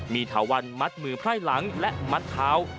มีถาวันมัดมือไพร่หลังและมัดเท้า